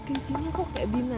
kita mau buru buru ini